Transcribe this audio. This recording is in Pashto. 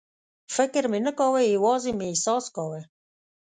فکر مې نه کاوه، یوازې مې احساس کاوه.